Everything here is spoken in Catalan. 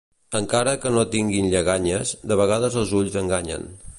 Encara que no tinguin lleganyes, de vegades els ulls enganyen.